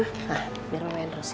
nah biar mau main terus ya